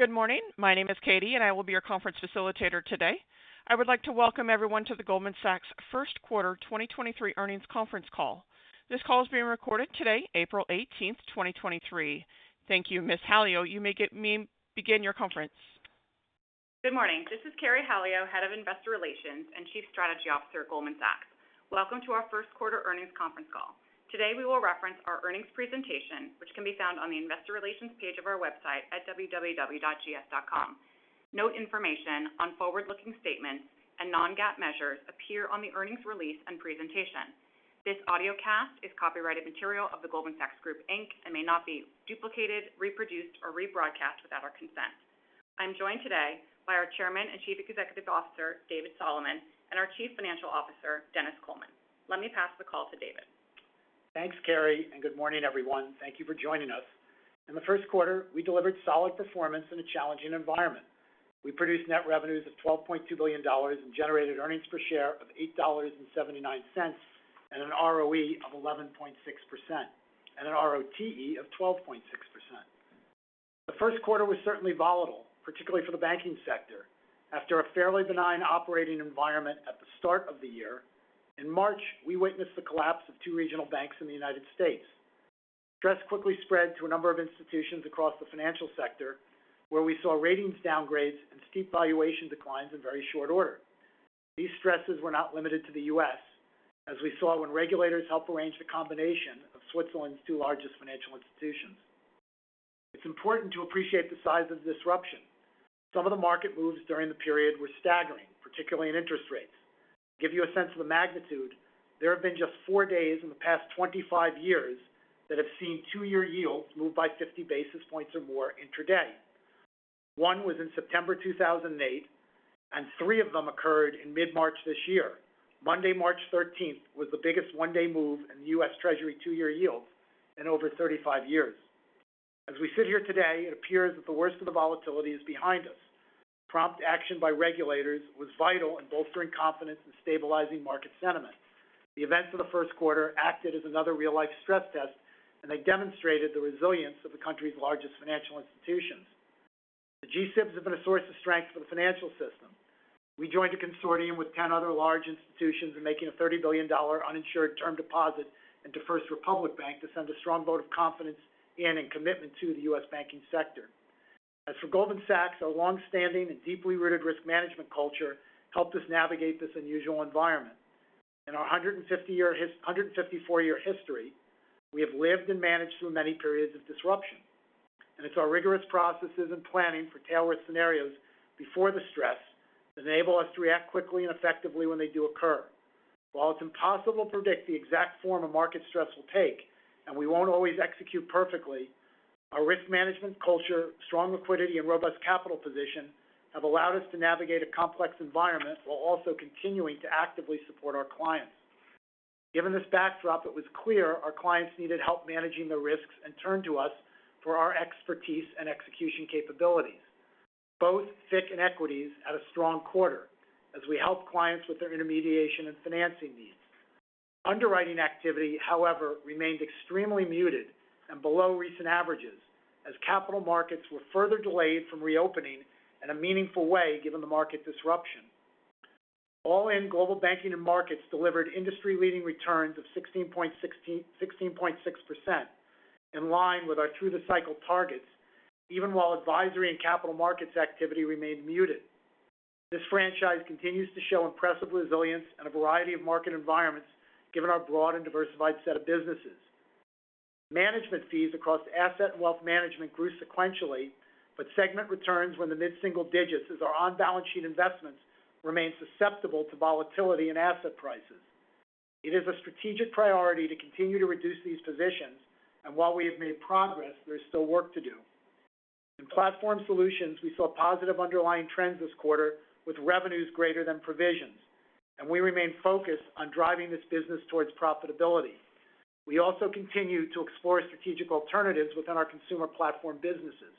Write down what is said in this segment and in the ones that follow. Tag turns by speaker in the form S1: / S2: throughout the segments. S1: Good morning. My name is Katie, and I will be your conference facilitator today. I would like to welcome everyone to The Goldman Sachs First Quarter 2023 Earnings Conference Call. This call is being recorded today, April eighteenth, 2023. Thank you, Ms. Halio. You may get me begin your conference.
S2: Good morning. This is Carey Halio, Head of Investor Relations and Chief Strategy Officer at Goldman Sachs. Welcome to our first quarter earnings conference call. Today, we will reference our earnings presentation, which can be found on the investor relations page of our website at www.gs.com. Note information on forward-looking statements and non-GAAP measures appear on the earnings release and presentation. This audiocast is copyrighted material of The Goldman Sachs Group Inc. May not be duplicated, reproduced, or rebroadcast without our consent. I'm joined today by our Chairman and Chief Executive Officer, David Solomon, and our Chief Financial Officer, Denis Coleman. Let me pass the call to David.
S3: Thanks, Carey, and good morning, everyone. Thank you for joining us. In the first quarter, we delivered solid performance in a challenging environment. We produced net revenues of $12.2 billion and generated earnings per share of $8.79 and an ROE of 11.6% and an ROTE of 12.6%. The first quarter was certainly volatile, particularly for the banking sector. After a fairly benign operating environment at the start of the year, in March, we witnessed the collapse of 2 regional banks in the United States. Stress quickly spread to a number of institutions across the financial sector, where we saw ratings downgrades and steep valuation declines in very short order. These stresses were not limited to the U.S., as we saw when regulators helped arrange the combination of Switzerland's two largest financial institutions. It's important to appreciate the size of the disruption. Some of the market moves during the period were staggering, particularly in interest rates. To give you a sense of the magnitude, there have been just four days in the past 25 years that have seen two-year yields move by 50 basis points or more intraday. One was in September 2008, and three of them occurred in mid-March this year. Monday, March 13th, was the biggest one-day move in the U.S Treasury two-year yield in over 35 years. As we sit here today, it appears that the worst of the volatility is behind us. Prompt action by regulators was vital in bolstering confidence and stabilizing market sentiment. The events of the 1st quarter acted as another real-life stress test, and they demonstrated the resilience of the country's largest financial institutions. The G-SIBs have been a source of strength for the financial system. We joined a consortium with 10 other large institutions in making a $30 billion uninsured term deposit into First Republic Bank to send a strong vote of confidence in and commitment to the U.S. banking sector. As for Goldman Sachs, our longstanding and deeply rooted risk management culture helped us navigate this unusual environment. In our 154-year history, we have lived and managed through many periods of disruption, and it's our rigorous processes and planning for tail risk scenarios before the stress that enable us to react quickly and effectively when they do occur. While it's impossible to predict the exact form a market stress will take, and we won't always execute perfectly, our risk management culture, strong liquidity, and robust capital position have allowed us to navigate a complex environment while also continuing to actively support our clients. Given this backdrop, it was clear our clients needed help managing the risks and turned to us for our expertise and execution capabilities. Both FICC and equities had a strong quarter as we helped clients with their intermediation and financing needs. Underwriting activity, however, remained extremely muted and below recent averages as capital markets were further delayed from reopening in a meaningful way given the market disruption. All in Global Banking and Markets delivered industry-leading returns of 16.6% in line with our through the cycle targets, even while advisory and capital markets activity remained muted. This franchise continues to show impressive resilience in a variety of market environments given our broad and diversified set of businesses. Management fees across Asset and Wealth Management grew sequentially. Segment returns were in the mid-single digits as our on-balance sheet investments remain susceptible to volatility in asset prices. It is a strategic priority to continue to reduce these positions. While we have made progress, there is still work to do. In Platform Solutions, we saw positive underlying trends this quarter with revenues greater than provisions. We remain focused on driving this business towards profitability. We also continue to explore strategic alternatives within our consumer platform businesses.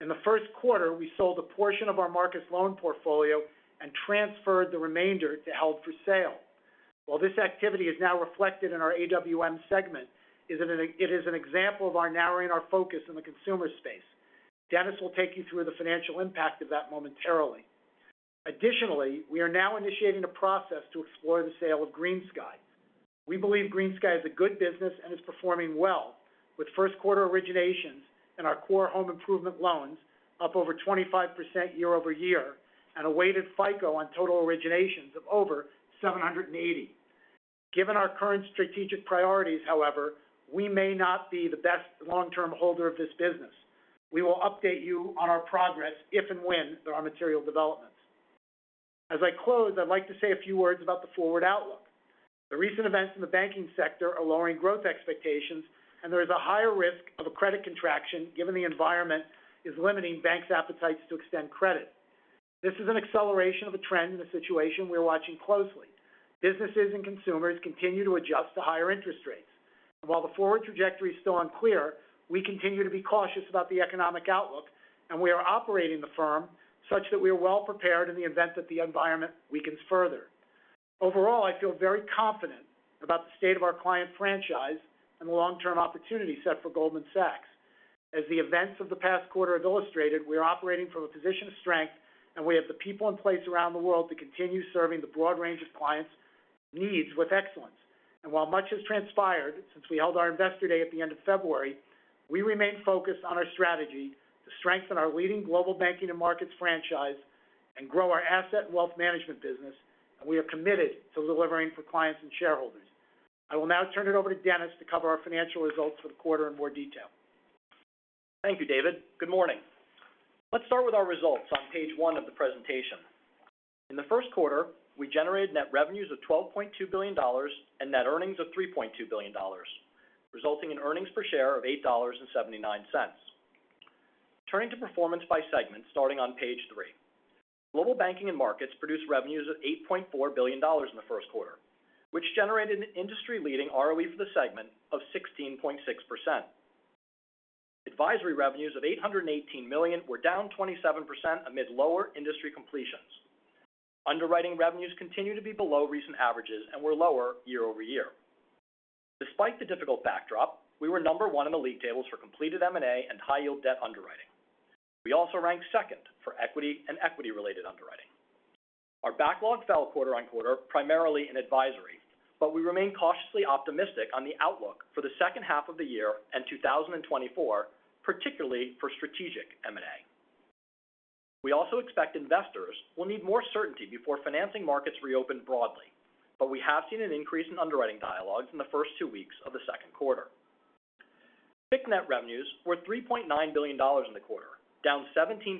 S3: In the first quarter, we sold a portion of our Marcus Loan portfolio and transferred the remainder to held for sale. While this activity is now reflected in our AWM segment, it is an example of our narrowing our focus in the consumer space. Denis Coleman will take you through the financial impact of that momentarily. Additionally, we are now initiating a process to explore the sale of GreenSky. We believe GreenSky is a good business and is performing well with first quarter originations in our core home improvement loans up over 25% year-over-year and a weighted FICO on total originations of over 780. Given our current strategic priorities, however, we may not be the best long-term holder of this business. We will update you on our progress if and when there are material developments. As I close, I'd like to say a few words about the forward outlook. The recent events in the banking sector are lowering growth expectations, and there is a higher risk of a credit contraction given the environment is limiting banks' appetites to extend credit. This is an acceleration of a trend in the situation we're watching closely. Businesses and consumers continue to adjust to higher interest rates. While the forward trajectory is still unclear, we continue to be cautious about the economic outlook, and we are operating the firm such that we are well prepared in the event that the environment weakens further. Overall, I feel very confident about the state of our client franchise and the long-term opportunity set for Goldman Sachs. As the events of the past quarter have illustrated, we are operating from a position of strength, and we have the people in place around the world to continue serving the broad range of clients' needs with excellence. While much has transpired since we held our Investor Day at the end of February, we remain focused on our strategy to strengthen our leading Global Banking and Markets franchise and grow our Asset and Wealth Management business, and we are committed to delivering for clients and shareholders. I will now turn it over to Denis to cover our financial results for the quarter in more detail.
S4: Thank you, David. Good morning. Let's start with our results on page one of the presentation. In the first quarter, we generated net revenues of $12.2 billion and net earnings of $3.2 billion, resulting in earnings per share of $8.79. Turning to performance by segment starting on page three. Global Banking and Markets produced revenues of $8.4 billion in the first quarter, which generated an industry-leading ROE for the segment of 16.6%. Advisory revenues of $818 million were down 27% amid lower industry completions. Underwriting revenues continue to be below recent averages and were lower year-over-year. Despite the difficult backdrop, we were number one in the league tables for completed M&A and high-yield debt underwriting. We also ranked second for equity and equity-related underwriting. Our backlog fell quarter-on-quarter, primarily in advisory, but we remain cautiously optimistic on the outlook for the second half of the year and 2024, particularly for strategic M&A. We expect investors will need more certainty before financing markets reopen broadly, but we have seen an increase in underwriting dialogues in the first two weeks of the second quarter. FICC net revenues were $3.9 billion in the quarter, down 17%,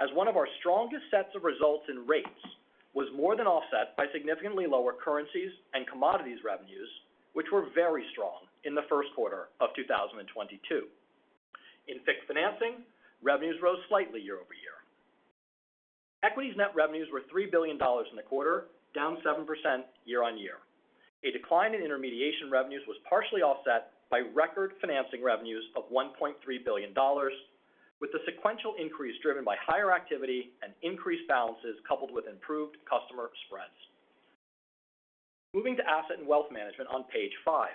S4: as one of our strongest sets of results in rates was more than offset by significantly lower currencies and commodities revenues, which were very strong in the first quarter of 2022. In FICC financing, revenues rose slightly year-over-year. Equities net revenues were $3 billion in the quarter, down 7% year-on-year. A decline in intermediation revenues was partially offset by record financing revenues of $1.3 billion, with the sequential increase driven by higher activity and increased balances coupled with improved customer spreads. Moving to Asset and Wealth Management on page 5.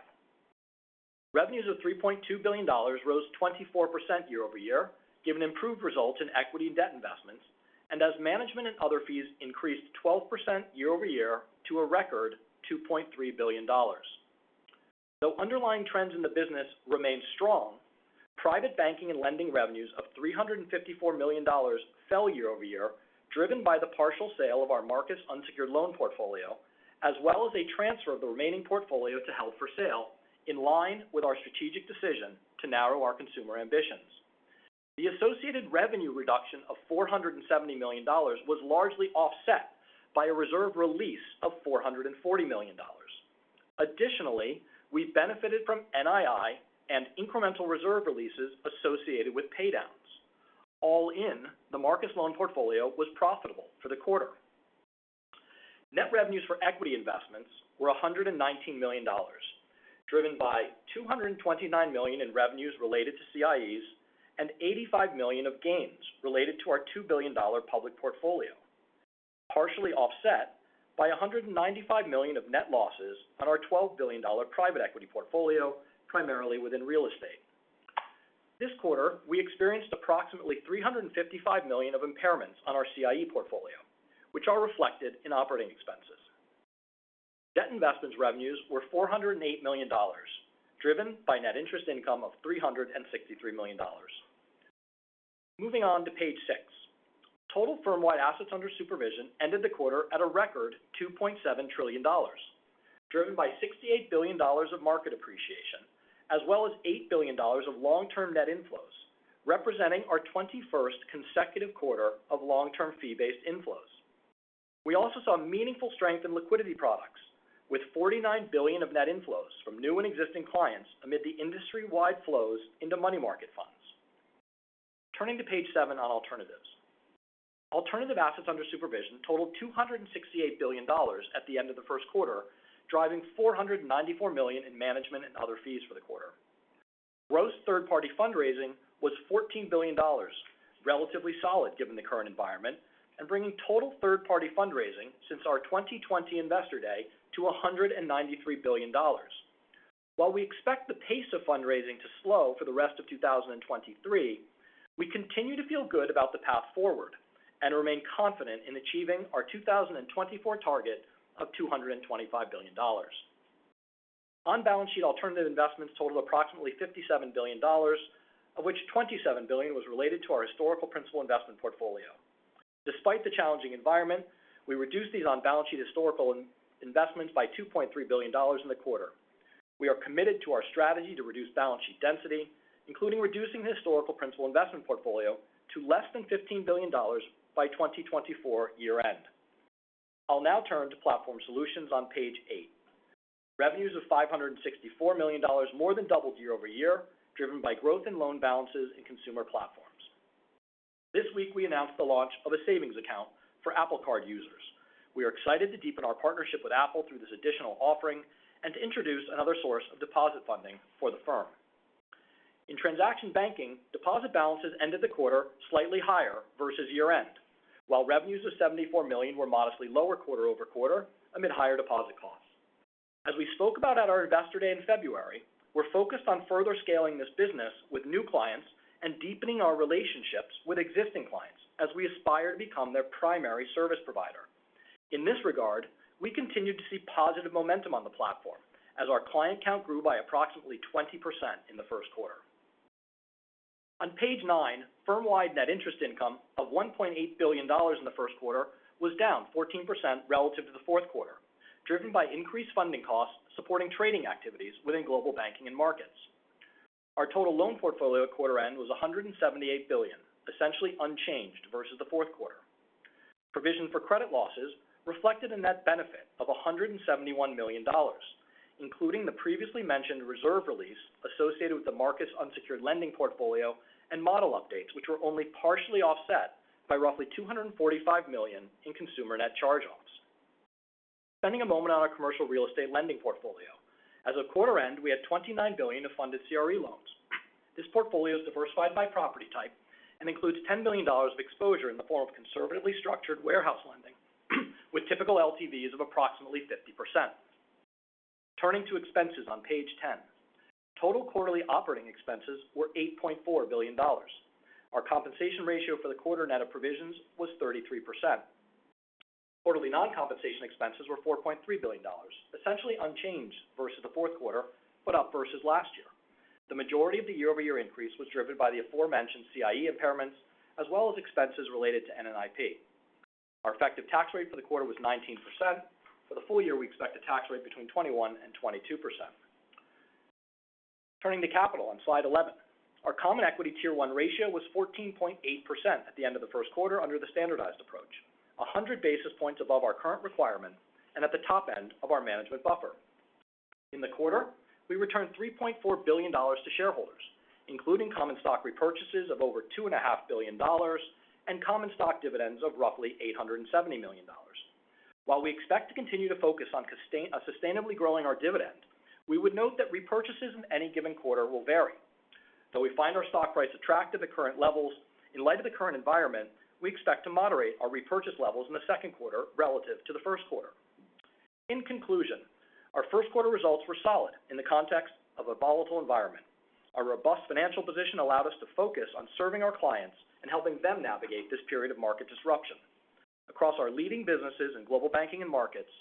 S4: Revenues of $3.2 billion rose 24% year-over-year, given improved results in equity and debt investments and as management and other fees increased 12% year-over-year to a record $2.3 billion. Though underlying trends in the business remain strong, private banking and lending revenues of $354 million fell year-over-year, driven by the partial sale of our Marcus unsecured loan portfolio, as well as a transfer of the remaining portfolio to held for sale in line with our strategic decision to narrow our consumer ambitions. The associated revenue reduction of $470 million was largely offset by a reserve release of $440 million. Additionally, we benefited from NII and incremental reserve releases associated with paydowns. All in, the Marcus loan portfolio was profitable for the quarter. Net revenues for equity investments were $119 million, driven by $229 million in revenues related to CIEs and $85 million of gains related to our $2 billion public portfolio, partially offset by $195 million of net losses on our $12 billion private equity portfolio, primarily within real estate. This quarter, we experienced approximately $355 million of impairments on our CIE portfolio, which are reflected in operating expenses. Debt investments revenues were $408 million, driven by net interest income of $363 million. Moving on to page 6. Total firm-wide assets under supervision ended the quarter at a record $2.7 trillion, driven by $68 billion of market appreciation as well as $8 billion of long-term net inflows, representing our 21st consecutive quarter of long-term fee-based inflows. We also saw meaningful strength in liquidity products, with $49 billion of net inflows from new and existing clients amid the industry-wide flows into money market funds. Turning to page seven on alternatives. Alternative assets under supervision totaled $268 billion at the end of the first quarter, driving $494 million in management and other fees for the quarter. Gross third-party fundraising was $14 billion, relatively solid given the current environment and bringing total third-party fundraising since our 2020 Investor Day to $193 billion. While we expect the pace of fundraising to slow for the rest of 2023, we continue to feel good about the path forward and remain confident in achieving our 2024 target of $225 billion. On-balance sheet alternative investments totaled approximately $57 billion, of which $27 billion was related to our historical principal investment portfolio. Despite the challenging environment, we reduced these on-balance sheet historical investments by $2.3 billion in the quarter. We are committed to our strategy to reduce balance sheet density, including reducing the historical principal investment portfolio to less than $15 billion by 2024 year-end. I'll now turn to Platform Solutions on page eight. Revenues of $564 million more than doubled year-over-year, driven by growth in loan balances and consumer platforms. This week, we announced the launch of a savings account for Apple Card users. We are excited to deepen our partnership with Apple through this additional offering and to introduce another source of deposit funding for the firm. In transaction banking, deposit balances ended the quarter slightly higher versus year-end, while revenues of $74 million were modestly lower quarter-over-quarter amid higher deposit costs. As we spoke about at our Investor Day in February, we're focused on further scaling this business with new clients and deepening our relationships with existing clients as we aspire to become their primary service provider. In this regard, we continued to see positive momentum on the platform as our client count grew by approximately 20% in the first quarter. On page nine, firm-wide net interest income of $1.8 billion in the first quarter was down 14% relative to the fourth quarter, driven by increased funding costs supporting trading activities within Global Banking and Markets. Our total loan portfolio at quarter end was $178 billion, essentially unchanged versus the fourth quarter. Provision for credit losses reflected a net benefit of $171 million, including the previously mentioned reserve release associated with the Marcus unsecured lending portfolio and model updates, which were only partially offset by roughly $245 million in consumer net charge-offs. Spending a moment on our commercial real estate lending portfolio. As of quarter end, we had $29 billion of funded CRE loans. This portfolio is diversified by property type and includes $10 billion of exposure in the form of conservatively structured warehouse lending with typical LTVs of approximately 50%. Turning to expenses on page 10. Total quarterly operating expenses were $8.4 billion. Our compensation ratio for the quarter net of provisions was 33%. Quarterly non-compensation expenses were $4.3 billion, essentially unchanged versus the fourth quarter, up versus last year. The majority of the year-over-year increase was driven by the aforementioned CIE impairments as well as expenses related to NN IP. Our effective tax rate for the quarter was 19%. For the full year, we expect a tax rate between 21%-22%. Turning to capital on slide 11. Our Common Equity Tier one ratio was 14.8% at the end of the first quarter under the standardized approach, 100 basis points above our current requirement and at the top end of our management buffer. In the quarter, we returned $3.4 billion to shareholders, including common stock repurchases of over two and a half billion dollars and common stock dividends of roughly $870 million. While we expect to continue to focus on sustainably growing our dividend, we would note that repurchases in any given quarter will vary. Though we find our stock price attractive at current levels, in light of the current environment, we expect to moderate our repurchase levels in the second quarter relative to the first quarter. In conclusion, our first quarter results were solid in the context of a volatile environment. Our robust financial position allowed us to focus on serving our clients and helping them navigate this period of market disruption. Across our leading businesses in Global Banking and Markets,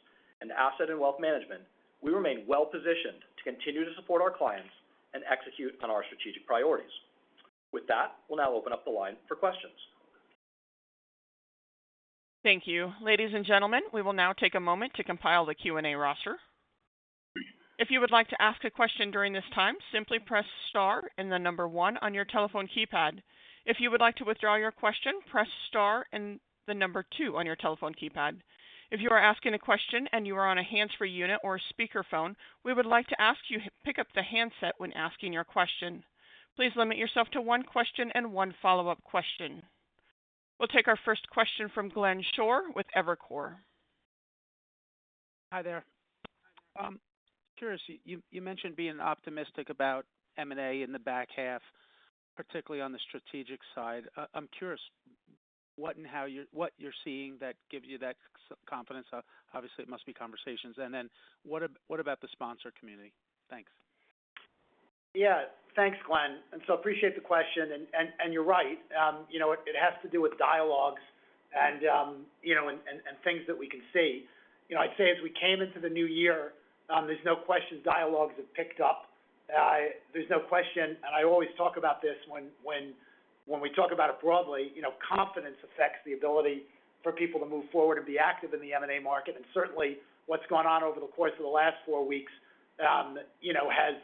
S4: and Asset and Wealth Management, we remain well positioned to continue to support our clients and execute on our strategic priorities. With that, we'll now open up the line for questions.
S1: Thank you. Ladies and gentlemen, we will now take a moment to compile the Q&A roster. If you would like to ask a question during this time, simply press star and the number one on your telephone keypad. If you would like to withdraw your question, press star and the number two on your telephone keypad. If you are asking a question and you are on a hands-free unit or speakerphone, we would like to ask you to pick up the handset when asking your question. Please limit yourself to one question and one follow-up question. We'll take our first question from Glenn Schorr with Evercore.
S5: Hi there. I'm curious, you mentioned being optimistic about M&A in the back half, particularly on the strategic side. I'm curious what and how what you're seeing that gives you that confidence. Obviously, it must be conversations. What about the sponsor community? Thanks.
S3: Yeah. Thanks, Glenn. Appreciate the question. You're right. You know, it has to do with dialogues and, you know, and things that we can see. You know, I'd say as we came into the new year, there's no question dialogues have picked up. There's no question, and I always talk about this when we talk about it broadly, you know, confidence affects the ability for people to move forward and be active in the M&A market. Certainly, what's gone on over the course of the last four weeks, you know, has,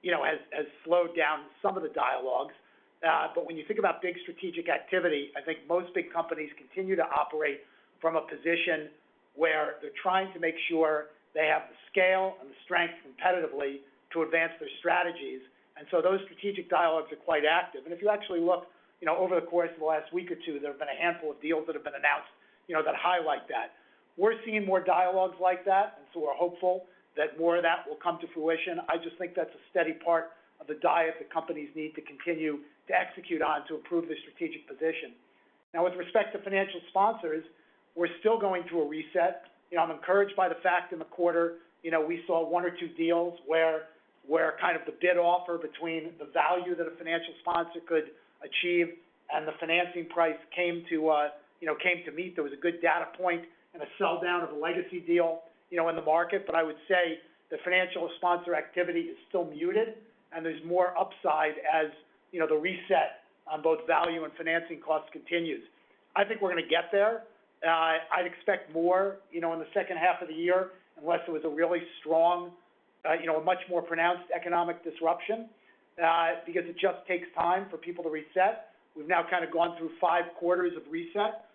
S3: you know, has slowed down some of the dialogues. When you think about big strategic activity, I think most big companies continue to operate from a position where they're trying to make sure they have the scale and the strength competitively to advance their strategies. Those strategic dialogues are quite active. If you actually look, you know, over the course of the last week or two, there have been a handful of deals that have been announced, you know, that highlight that. We're seeing more dialogues like that, and so we're hopeful that more of that will come to fruition. I just think that's a steady part of the diet that companies need to continue to execute on to improve their strategic position. With respect to financial sponsors, we're still going through a reset. You know, I'm encouraged by the fact in the quarter, you know, we saw one or two deals where kind of the bid offer between the value that a financial sponsor could achieve and the financing price came to, you know, came to meet. There was a good data point and a sell down of a legacy deal, you know, in the market. I would say the financial sponsor activity is still muted and there's more upside as, you know, the reset on both value and financing costs continues. I think we're going to get there. I'd expect more, you know, in the second half of the year, unless there was a really strong, you know, a much more pronounced economic disruption, because it just takes time for people to reset. We've now kind of gone through five quarters of reset.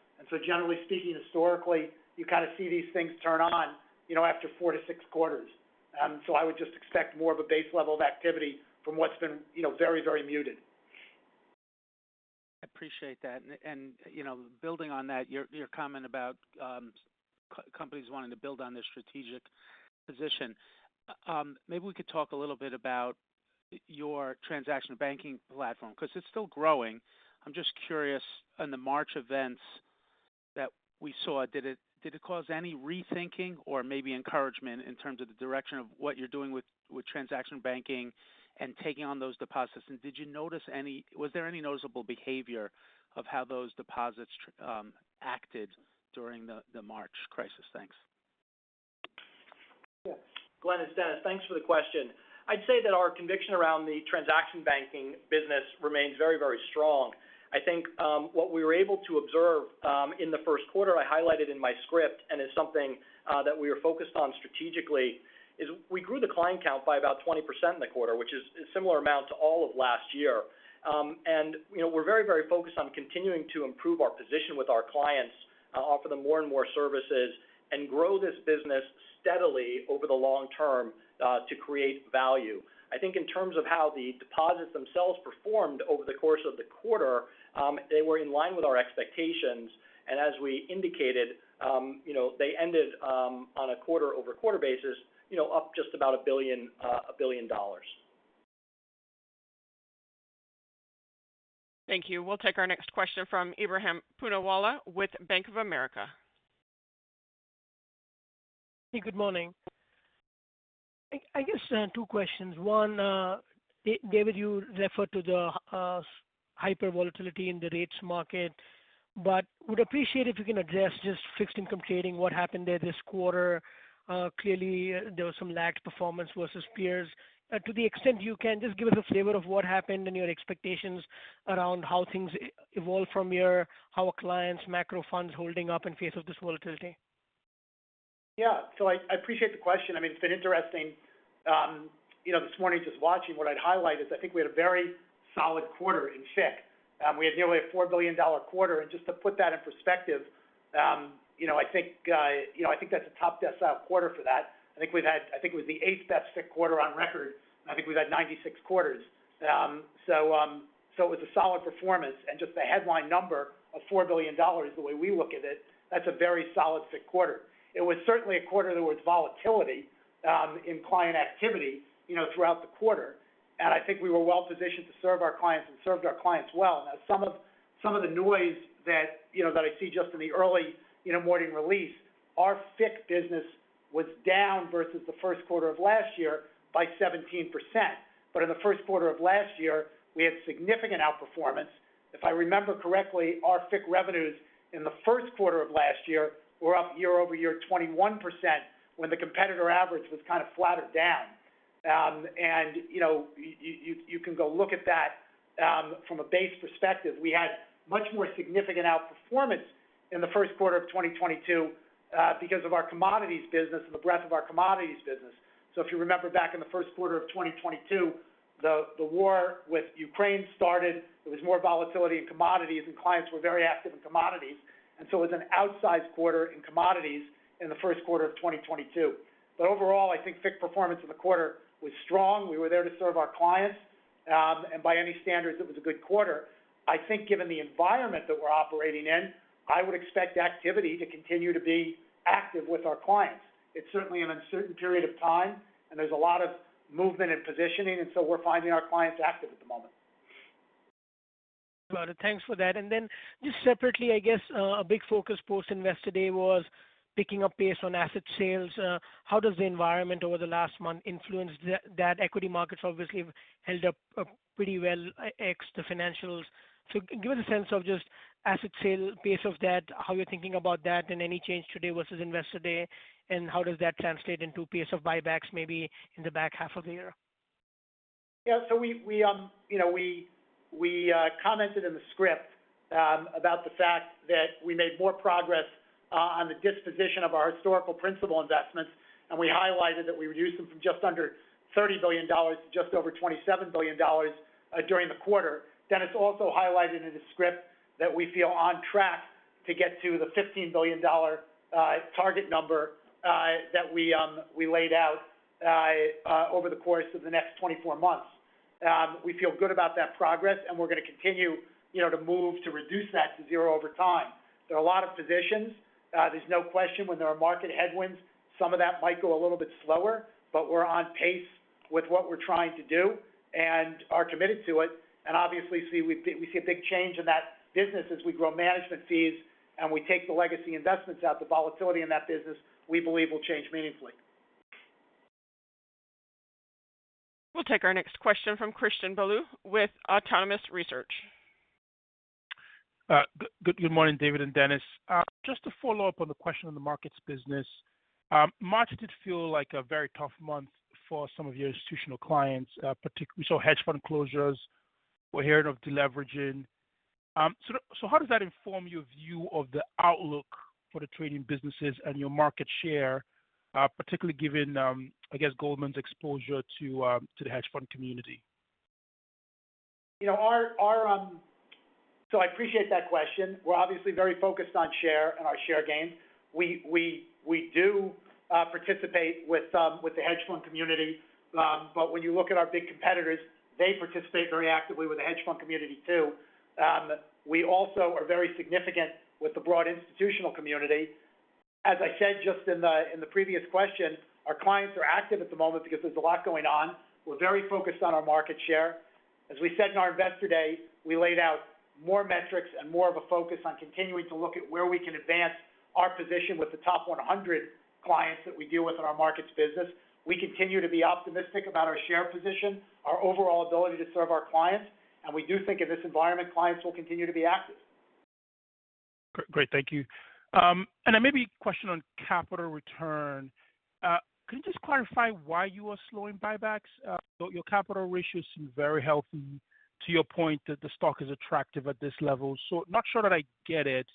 S3: Generally speaking, historically, you kind of see these things turn on, you know, after four to six quarters. I would just expect more of a base level of activity from what's been, you know, very, very muted.
S5: I appreciate that. You know, building on that, your comment about co-companies wanting to build on their strategic position. Maybe we could talk a little bit about your transaction banking platform because it's still growing. I'm just curious on the March events that we saw, did it cause any rethinking or maybe encouragement in terms of the direction of what you're doing with transaction banking and taking on those deposits? Was there any noticeable behavior of how those deposits acted during the March crisis? Thanks.
S4: Glenn, it's Denis. Thanks for the question. I'd say that our conviction around the transaction banking business remains very, very strong. I think what we were able to observe in the first quarter, I highlighted in my script, and it's something that we are focused on strategically, is we grew the client count by about 20% in the quarter, which is a similar amount to all of last year. You know, we're very, very focused on continuing to improve our position with our clients, offer them more and more services and grow this business steadily over the long term to create value. I think in terms of how the deposits themselves performed over the course of the quarter, they were in line with our expectations. As we indicated, you know, they ended on a quarter-over-quarter basis, you know, up just about $1 billion, $1 billion.
S1: Thank you. We'll take our next question from Ebrahim Poonawala with Bank of America.
S6: Hey, good morning. I guess two questions. One, David, you referred to the hyper volatility in the rates market, but would appreciate if you can address just fixed income trading, what happened there this quarter. Clearly there was some lagged performance versus peers. To the extent you can just give us a flavor of what happened and your expectations around how things evolve from your, how are clients' macro funds holding up in face of this volatility.
S3: I appreciate the question. I mean, it's been interesting, you know, this morning just watching what I'd highlight is I think we had a very solid quarter in FICC. We had nearly a $4 billion quarter. Just to put that in perspective, you know, I think, you know, I think that's a top-desktop quarter for that. I think it was the eighth best FICC quarter on record. I think we've had 96 quarters. It was a solid performance. Just the headline number of $4 billion, the way we look at it, that's a very solid FICC quarter. It was certainly a quarter, there was volatility in client activity, you know, throughout the quarter. I think we were well-positioned to serve our clients and served our clients well. Some of the noise that, you know, that I see just in the early, you know, morning release, our FICC business was down versus the first quarter of last year by 17%. In the first quarter of last year, we had significant outperformance. If I remember correctly, our FICC revenues in the first quarter of last year were up year-over-year 21% when the competitor average was kind of flat or down. And you know, you can go look at that from a base perspective. We had much more significant outperformance in the first quarter of 2022 because of our commodities business and the breadth of our commodities business. If you remember back in the first quarter of 2022, the war with Ukraine started. There was more volatility in commodities, and clients were very active in commodities. It was an outsized quarter in commodities in the first quarter of 2022. Overall, I think FICC performance in the quarter was strong. We were there to serve our clients. By any standards, it was a good quarter. I think given the environment that we're operating in, I would expect activity to continue to be active with our clients. It's certainly an uncertain period of time, and there's a lot of movement and positioning, and so we're finding our clients active at the moment.
S6: Got it. Thanks for that. Then just separately, I guess a big focus post Investor Day was picking up pace on asset sales. How does the environment over the last month influence that equity markets obviously held up pretty well ex the financials. Give us a sense of just asset sale pace of that, how you're thinking about that, and any change today versus Investor Day, and how does that translate into pace of buybacks maybe in the back half of the year?
S3: Yeah. We, you know, we commented in the script about the fact that we made more progress on the disposition of our historical principal investments. We highlighted that we reduced them from just under $30 billion to just over $27 billion during the quarter. Denis Coleman also highlighted in the script that we feel on track to get to the $15 billion target number that we laid out over the course of the next 24 months. We feel good about that progress, and we're going to continue, you know, to move to reduce that to zero over time. There are a lot of positions. There's no question when there are market headwinds, some of that might go a little bit slower, but we're on pace with what we're trying to do and are committed to it. Obviously, see, we see a big change in that business as we grow management fees and we take the legacy investments out. The volatility in that business, we believe will change meaningfully.
S1: We'll take our next question from Christian Bolu with Autonomous Research.
S7: Good morning, David Solomon and Denis Coleman. Just to follow up on the question on the markets business. March did feel like a very tough month for some of your institutional clients, particularly. Hedge fund closures, we're hearing of deleveraging. So how does that inform your view of the outlook for the trading businesses and your market share, particularly given, I guess Goldman Sachs' exposure to the hedge fund community?
S3: You know, I appreciate that question. We're obviously very focused on share and our share gains. We do participate with the hedge fund community. When you look at our big competitors, they participate very actively with the hedge fund community too. We also are very significant with the broad institutional community. As I said just in the previous question, our clients are active at the moment because there's a lot going on. We're very focused on our market share. As we said in our Investor Day, we laid out more metrics and more of a focus on continuing to look at where we can advance our position with the top 100 clients that we deal with in our markets business. We continue to be optimistic about our share position, our overall ability to serve our clients. We do think in this environment, clients will continue to be active.
S7: Great. Thank you. Maybe a question on capital return. Can you just clarify why you are slowing buybacks? Your capital ratios seem very healthy, to your point that the stock is attractive at this level. Not sure that I get it.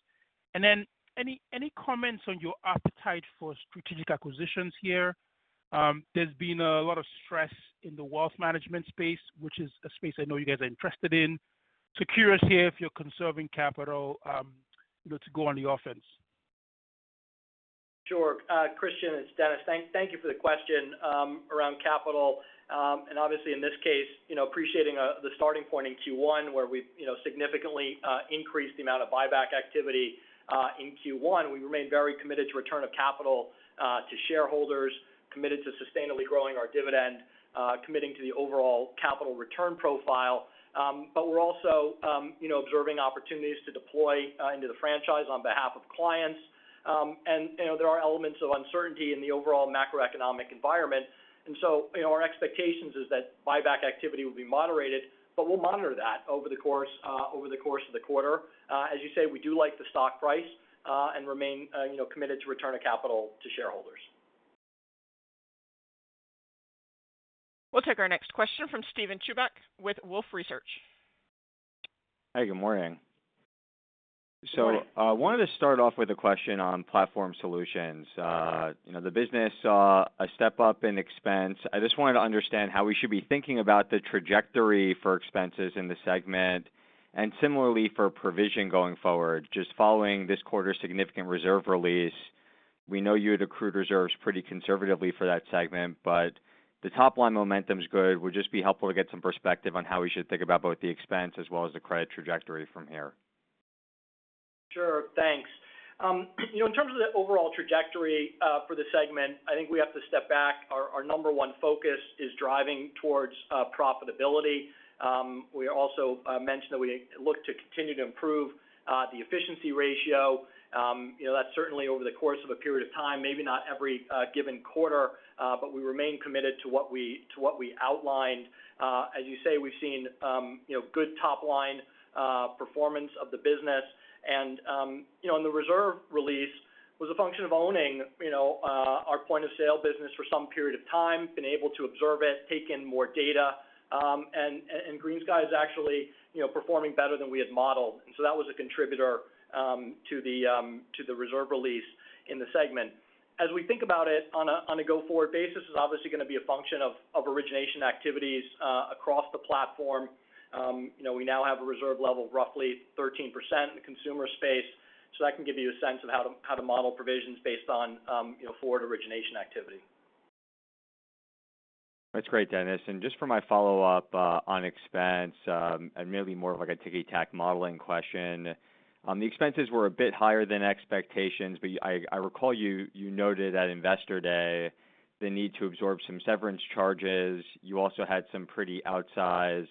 S7: Any comments on your appetite for strategic acquisitions here? There's been a lot of stress in the wealth management space, which is a space I know you guys are interested in. Curious here if you're conserving capital, you know, to go on the offense.
S4: Sure. Christian, it's Denis. Thank you for the question around capital. Obviously in this case, you know, appreciating the starting point in Q1 where we, you know, significantly increased the amount of buyback activity in Q1. We remain very committed to return of capital to shareholders, committed to sustainably growing our dividend, committing to the overall capital return profile. We're also, you know, observing opportunities to deploy into the franchise on behalf of clients. You know, there are elements of uncertainty in the overall macroeconomic environment. You know, our expectations is that buyback activity will be moderated, but we'll monitor that over the course over the course of the quarter. As you say, we do like the stock price, and remain, you know, committed to return of capital to shareholders.
S1: We'll take our next question from Steven Chubak with Wolfe Research.
S8: Hey, good morning.
S3: Good morning.
S8: Wanted to start off with a question on Platform Solutions. You know, the business saw a step up in expense. I just wanted to understand how we should be thinking about the trajectory for expenses in the segment and similarly for provision going forward. Just following this quarter's significant reserve release, we know you had accrued reserves pretty conservatively for that segment, but the top line momentum's good. Would just be helpful to get some perspective on how we should think about both the expense as well as the credit trajectory from here?
S4: Sure. Thanks. you know, in terms of the overall trajectory, for the segment, I think we have to step back. Our number one focus is driving towards profitability. We also mentioned that we look to continue to improve the efficiency ratio. you know, that's certainly over the course of a period of time, maybe not every given quarter, but we remain committed to what we, to what we outlined. As you say, we've seen, you know, good top line performance of the business. you know, and the reserve release was a function of owning, you know, our point of sale business for some period of time, been able to observe it, take in more data. GreenSky is actually, you know, performing better than we had modeled. That was a contributor to the reserve release in the segment. We think about it on a go-forward basis, it's obviously gonna be a function of origination activities across the platform. You know, we now have a reserve level of roughly 13% in the consumer space. That can give you a sense of how to model provisions based on, you know, forward origination activity.
S8: That's great, Denis. And just for my follow-up, on expense, and maybe more of like a ticky-tack modeling question. The expenses were a bit higher than expectations, but I recall you noted at Investor Day the need to absorb some severance charges. You also had some pretty outsized,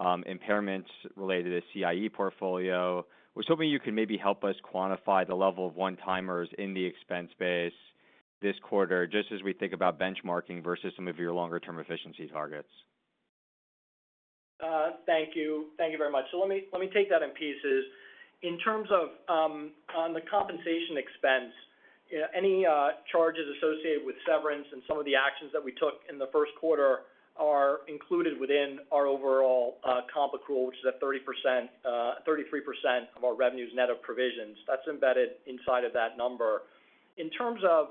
S8: impairments related to CIE portfolio. Was hoping you could maybe help us quantify the level of one-timers in the expense base this quarter, just as we think about benchmarking versus some of your longer-term efficiency targets?
S4: Thank you. Thank you very much. Let me take that in pieces. In terms of on the compensation expense, any charges associated with severance and some of the actions that we took in the first quarter are included within our overall comp accrual, which is at 30%, 33% of our revenues net of provisions. That's embedded inside of that number. In terms of,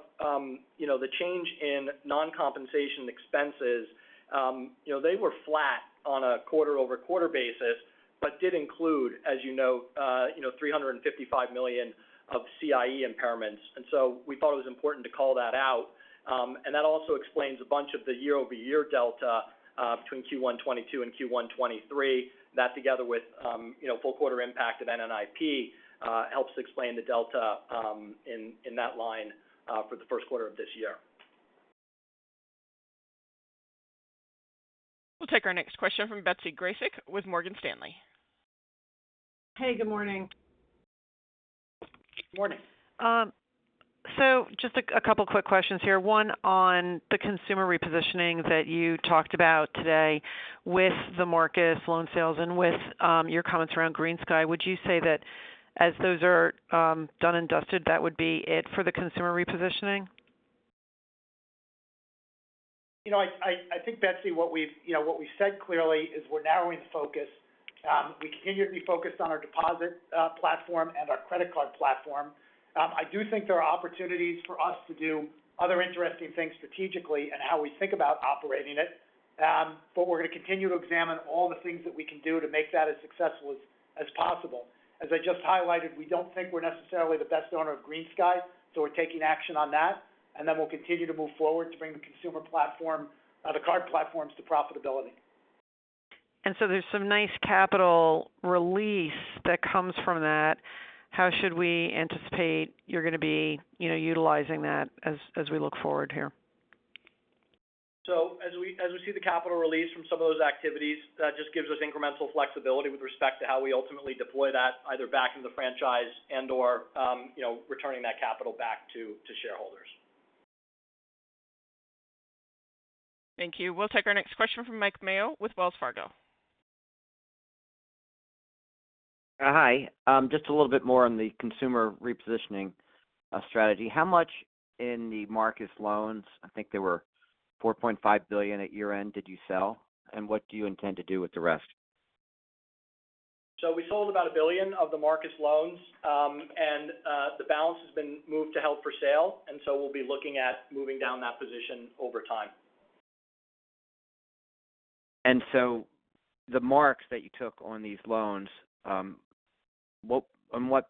S4: you know, the change in non-compensation expenses, you know, they were flat on a quarter-over-quarter basis, but did include, as you know, $355 million of CIE impairments. We thought it was important to call that out. That also explains a bunch of the year-over-year delta between Q1 2022 and Q1 2023. That together with, you know, full quarter impact of NNIP, helps explain the delta, in that line, for the first quarter of this year.
S1: We'll take our next question from Betsy Graseck with Morgan Stanley.
S9: Hey, good morning.
S3: Morning.
S9: Just a couple quick questions here. One on the consumer repositioning that you talked about today with the Marcus loan sales and with your comments around GreenSky. Would you say that as those are done and dusted, that would be it for the consumer repositioning?
S3: You know, I think, Betsy, what we've, you know, what we've said clearly is we're narrowing the focus. We continue to be focused on our deposit platform and our credit card platform. I do think there are opportunities for us to do other interesting things strategically in how we think about operating it. We're gonna continue to examine all the things that we can do to make that as successful as possible. As I just highlighted, we don't think we're necessarily the best owner of GreenSky, so we're taking action on that. Then we'll continue to move forward to bring the consumer platform, the card platforms to profitability.
S9: There's some nice capital release that comes from that. How should we anticipate you're gonna be, you know, utilizing that as we look forward here?
S3: As we see the capital release from some of those activities, that just gives us incremental flexibility with respect to how we ultimately deploy that either back in the franchise and/or, you know, returning that capital back to shareholders.
S1: Thank you. We'll take our next question from Mike Mayo with Wells Fargo.
S10: Hi. Just a little bit more on the consumer repositioning strategy. How much in the Marcus loans, I think they were $4.5 billion at year-end, did you sell? What do you intend to do with the rest?
S4: We sold about $1 billion of the Marcus loans. The balance has been moved to held for sale, and so we'll be looking at moving down that position over time.
S10: The marks that you took on these loans,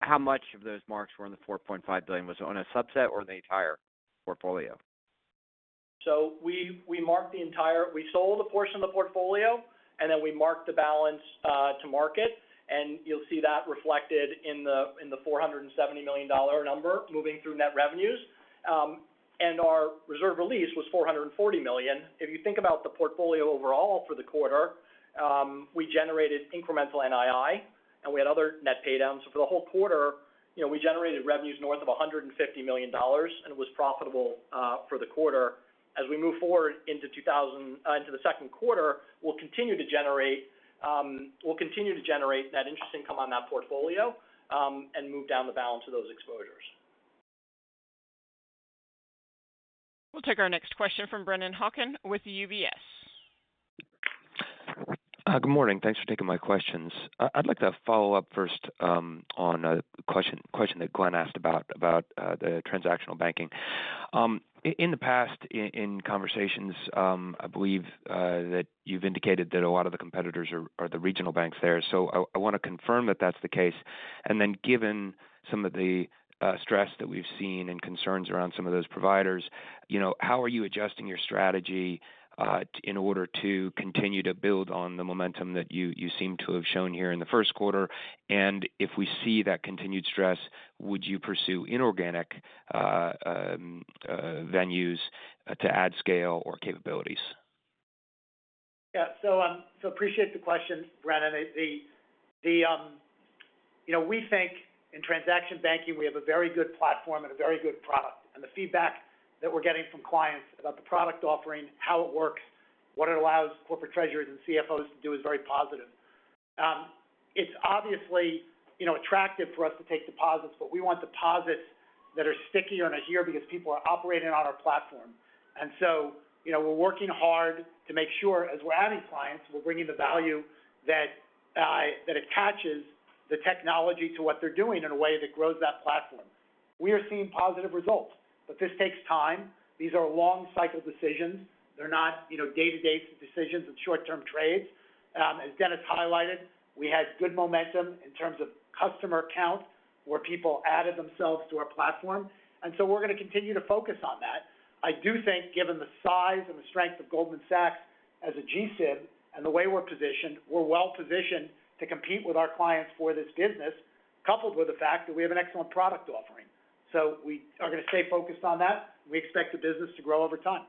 S10: how much of those marks were on the $4.5 billion? Was it on a subset or the entire portfolio?
S4: We marked the entire we sold a portion of the portfolio, then we marked the balance to market. You'll see that reflected in the $470 million number moving through net revenues. Our reserve release was $440 million. If you think about the portfolio overall for the quarter, we generated incremental NII, and we had other net pay downs. For the whole quarter, you know, we generated revenues north of $150 million and was profitable for the quarter. As we move forward into the second quarter, we'll continue to generate, we'll continue to generate that interest income on that portfolio, and move down the balance of those exposures.
S1: We'll take our next question from Brennan Hawken with UBS.
S11: Good morning. Thanks for taking my questions. I'd like to follow up first on a question that Glenn asked about the transactional banking. In the past, in conversations, I believe that you've indicated that a lot of the competitors are the regional banks there. I wanna confirm that that's the case. Given some of the stress that we've seen and concerns around some of those providers, you know, how are you adjusting your strategy in order to continue to build on the momentum that you seem to have shown here in the first quarter? If we see that continued stress, would you pursue inorganic venues to add scale or capabilities?
S3: Yeah. appreciate the question, Brennan. You know, we think in transaction banking, we have a very good platform and a very good product. The feedback that we're getting from clients about the product offering, how it works, what it allows corporate treasurers and CFOs to do is very positive. It's obviously, you know, attractive for us to take deposits, but we want deposits that are stickier and adhere because people are operating on our platform. You know, we're working hard to make sure as we're adding clients, we're bringing the value that attaches the technology to what they're doing in a way that grows that platform. We are seeing positive results, but this takes time. These are long cycle decisions. They're not, you know, day-to-day decisions and short-term trades. As Denis highlighted, we had good momentum in terms of customer count, where people added themselves to our platform. We're gonna continue to focus on that. I do think given the size and the strength of Goldman Sachs as a GSIB and the way we're positioned, we're well-positioned to compete with our clients for this business, coupled with the fact that we have an excellent product offering. We are gonna stay focused on that. We expect the business to grow over time.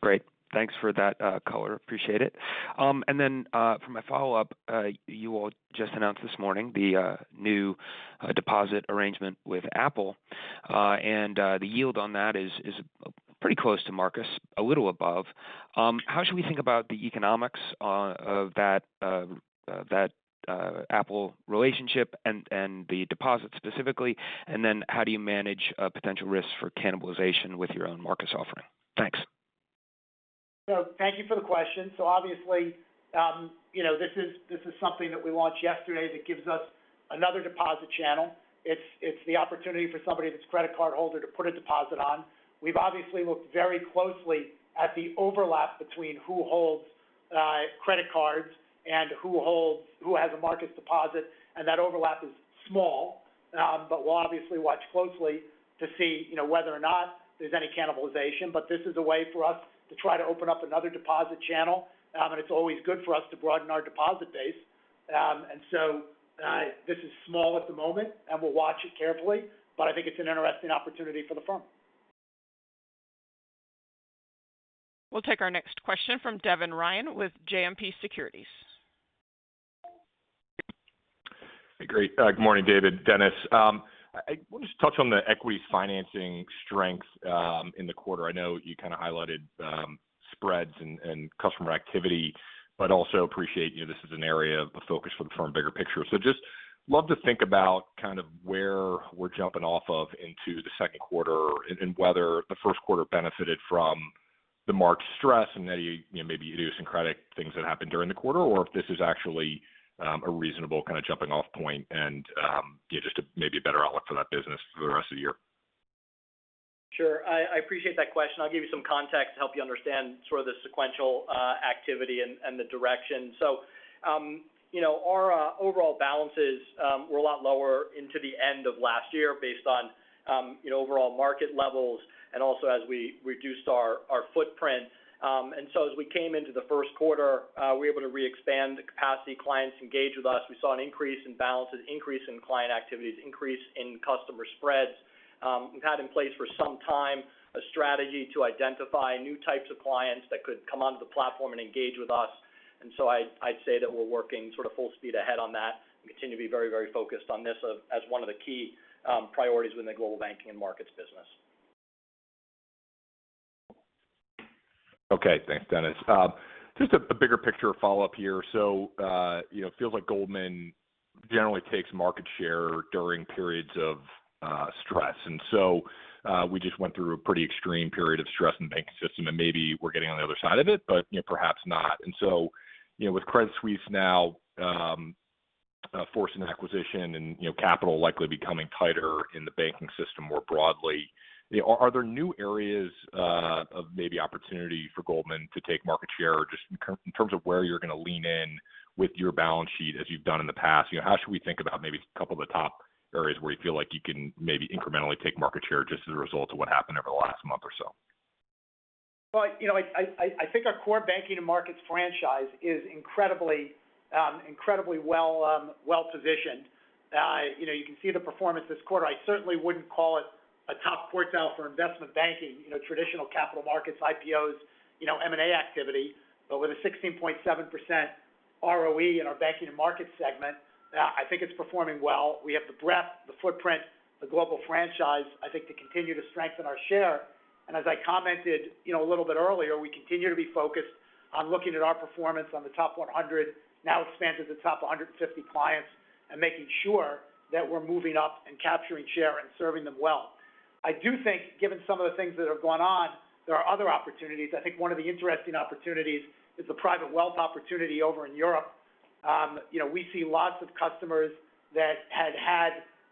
S11: Great. Thanks for that color. Appreciate it. Then, for my follow-up, you all just announced this morning the new deposit arrangement with Apple. The yield on that is pretty close to Marcus, a little above. How should we think about the economics of that Apple relationship and the deposit specifically? Then how do you manage potential risks for cannibalization with your own Marcus offering? Thanks.
S3: Thank you for the question. Obviously, you know, this is something that we launched yesterday that gives us another deposit channel. It's the opportunity for somebody that's a credit card holder to put a deposit on. We've obviously looked very closely at the overlap between who holds credit cards and who has a Marcus deposit, and that overlap is small. We'll obviously watch closely to see, you know, whether or not there's any cannibalization. This is a way for us to try to open up another deposit channel. It's always good for us to broaden our deposit base. This is small at the moment, and we'll watch it carefully, but I think it's an interesting opportunity for the firm.
S1: We'll take our next question from Devin Ryan with JMP Securities.
S12: Great. Good morning, David, Dennis. I want to just touch on the equity financing strength in the quarter. I know you kind of highlighted spreads and customer activity, but also appreciate, you know, this is an area of focus for the firm bigger picture. Just love to think about kind of where we're jumping off of into the second quarter and whether the first quarter benefited from the March stress and any, you know, maybe idiosyncratic things that happened during the quarter, or if this is actually a reasonable kind of jumping off point and, you know, just a maybe better outlook for that business for the rest of the year.
S4: Sure. I appreciate that question. I'll give you some context to help you understand sort of the sequential activity and the direction. You know, our overall balances were a lot lower into the end of last year based on, you know, overall market levels and also as we reduced our footprint. As we came into the first quarter, we were able to re-expand the capacity, clients engaged with us. We saw an increase in balances, increase in client activities, increase in customer spreads. We've had in place for some time a strategy to identify new types of clients that could come onto the platform and engage with us. I'd say that we're working sort of full speed ahead on that and continue to be very, very focused on this as one of the key priorities within the Global Banking and Markets business.
S12: Okay. Thanks, Denis. Just a bigger picture follow-up here. You know, feels like Goldman generally takes market share during periods of stress. We just went through a pretty extreme period of stress in the banking system, and maybe we're getting on the other side of it, but, you know, perhaps not. You know, with Credit Suisse now forced an acquisition and, you know, capital likely becoming tighter in the banking system more broadly, you know, are there new areas of maybe opportunity for Goldman to take market share just in terms of where you're gonna lean in with your balance sheet as you've done in the past? You know, how should we think about maybe a couple of the top areas where you feel like you can maybe incrementally take market share just as a result of what happened over the last month or so?
S3: Well, you know, I think our core banking and markets franchise is incredibly well-positioned. You know, you can see the performance this quarter. I certainly wouldn't call it a top quartile for investment banking, you know, traditional capital markets, IPOs, you know, M&A activity. With a 16.7% ROE in our banking and market segment, I think it's performing well. We have the breadth, the footprint, the global franchise, I think to continue to strengthen our share. As I commented, you know, a little bit earlier, we continue to be focused on looking at our performance on the top 100, now expanded to top 150 clients, and making sure that we're moving up and capturing share and serving them well. I do think, given some of the things that have gone on, there are other opportunities. I think one of the interesting opportunities is the private wealth opportunity over in Europe. You know, we see lots of customers that had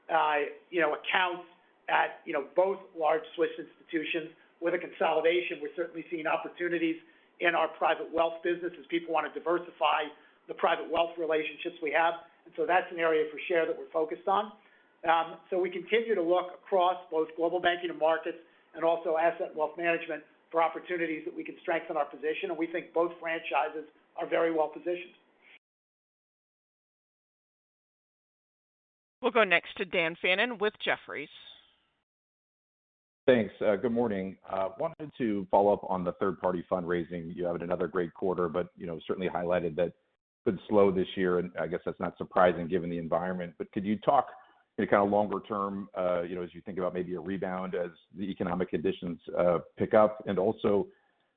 S3: accounts at, you know, both large Swiss institutions. With the consolidation, we're certainly seeing opportunities in our private wealth business as people wanna diversify the private wealth relationships we have. That's an area for share that we're focused on. We continue to look across both Global Banking and Markets and also Asset and Wealth Management for opportunities that we can strengthen our position, and we think both franchises are very well-positioned.
S1: We'll go next to Dan Fannon with Jefferies.
S13: Thanks. Good morning. Wanted to follow up on the third-party fundraising. You had another great quarter, but, you know, certainly highlighted that it's been slow this year, and I guess that's not surprising given the environment. Could you talk any kind of longer term, you know, as you think about maybe a rebound as the economic conditions pick up? Also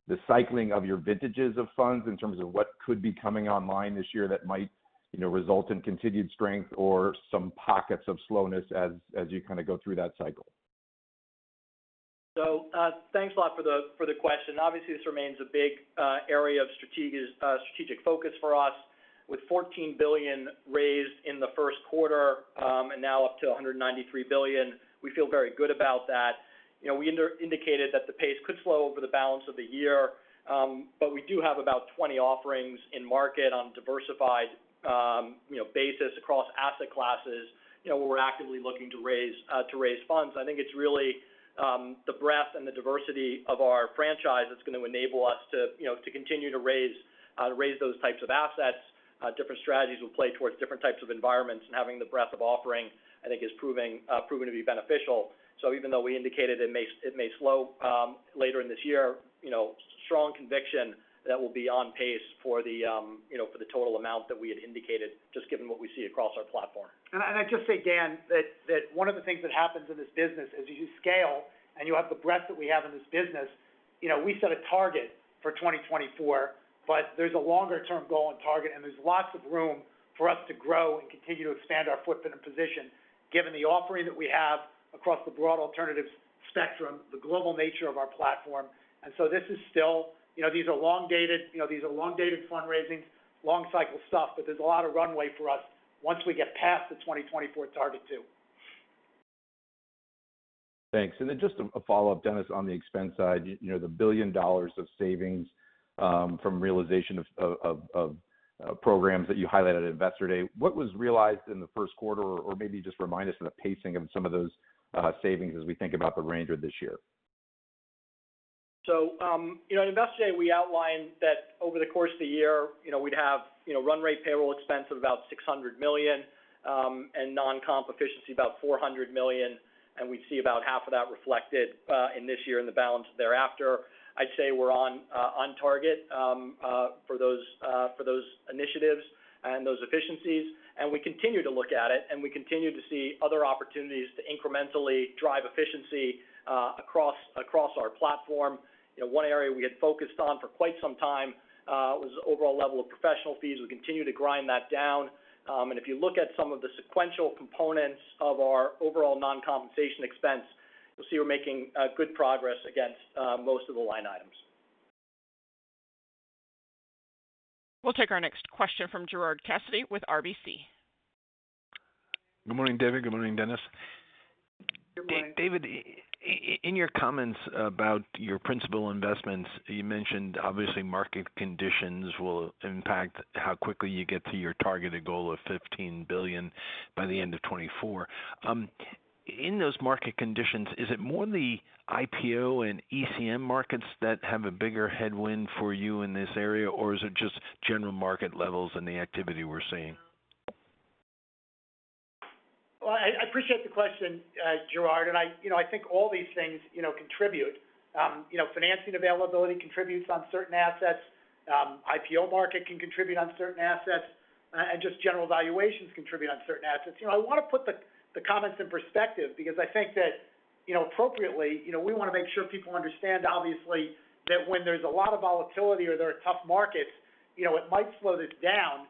S13: the cycling of your vintages of funds in terms of what could be coming online this year that might, you know, result in continued strength or some pockets of slowness as you kinda go through that cycle.
S4: Thanks a lot for the, for the question. Obviously, this remains a big area of strategic focus for us. With $14 billion raised in the first quarter, and now up to $193 billion, we feel very good about that. You know, we indicated that the pace could slow over the balance of the year, but we do have about 20 offerings in market on diversified, you know, basis across asset classes, you know, where we're actively looking to raise funds. I think it's really the breadth and the diversity of our franchise that's gonna enable us to, you know, to continue to raise those types of assets. Different strategies will play towards different types of environments, and having the breadth of offering, I think, is proving to be beneficial. Even though we indicated it may slow later in this year, you know, strong conviction that we'll be on pace for the, you know, for the total amount that we had indicated just given what we see across our platform.
S3: I just say, Dan, that one of the things that happens in this business as you scale and you have the breadth that we have in this business, you know, we set a target for 2024, but there's a longer-term goal and target, and there's lots of room for us to grow and continue to expand our footprint and position given the offering that we have across the broad alternatives spectrum, the global nature of our platform. This is still. You know, these are long-dated, you know, these are long-dated fundraising, long cycle stuff, but there's a lot of runway for us once we get past the 2024 target too.
S13: Thanks. Just a follow-up, Denis, on the expense side, you know, the $1 billion of savings from realization of programs that you highlighted at Investor Day. What was realized in the first quarter or maybe just remind us of the pacing of some of those savings as we think about the range of this year.
S4: You know, at Investor Day, we outlined that over the course of the year, you know, we'd have, you know, run rate payroll expense of about $600 million, and non-comp efficiency about $400 million, and we see about half of that reflected in this year in the balance thereafter. I'd say we're on target for those for those initiatives and those efficiencies. We continue to look at it, and we continue to see other opportunities to incrementally drive efficiency across our platform. You know, one area we had focused on for quite some time, was the overall level of professional fees. We continue to grind that down. If you look at some of the sequential components of our overall non-compensation expense, you'll see we're making good progress against most of the line items.
S1: We'll take our next question from Gerard Cassidy with RBC.
S14: Good morning, David. Good morning, Denis.
S3: Good morning.
S14: David, in your comments about your principal investments, you mentioned obviously market conditions will impact how quickly you get to your targeted goal of $15 billion by the end of 2024. In those market conditions, is it more the IPO and ECM markets that have a bigger headwind for you in this area? Or is it just general market levels and the activity we're seeing?
S3: Well, I appreciate the question, Gerard. I you know, I think all these things, you know, contribute. You know, financing availability contributes on certain assets. IPO market can contribute on certain assets. Just general valuations contribute on certain assets. You know, I want to put the comments in perspective because I think that, you know, appropriately, you know, we wanna make sure people understand, obviously, that when there's a lot of volatility or there are tough markets, you know it might slow this down.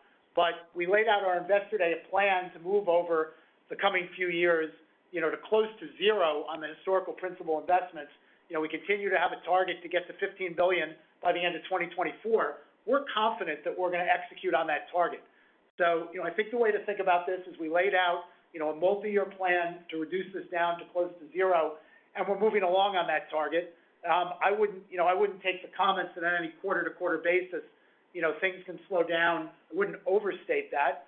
S3: We laid out our Investor Day plan to move over the coming few years, you know, to close to 0 on the historical principal investments. You know we continue to have a target to get to $15 billion by the end of 2024. We're confident that we're gonna execute on that target. You know, I think the way to think about this is we laid out, you know, a multi-year plan to reduce this down to close to zero, and we're moving along on that target. I wouldn't, you know, I wouldn't take the comments that on any quarter-to-quarter basis, you know, things can slow down. I wouldn't overstate that.